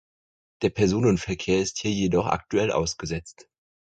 Der Personenverkehr ist hier jedoch aktuell ausgesetzt.